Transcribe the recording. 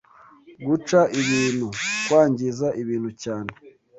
Guca ibintu: kwangiza ibintu cyane